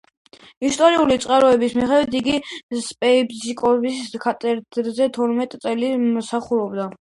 ისტორიული წყაროების მიხედვით იგი საეპისკოპოსო კათედრაზე თორმეტი წელი მსახურობდა.